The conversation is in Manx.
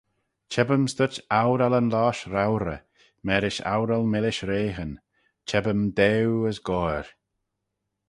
Cheb-yms dhyt ourallyn-losht roauyrey, marish oural-millish reaghyn: cheb-ym dew as goair.